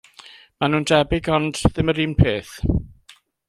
Maen nhw'n debyg ond ddim yr un peth.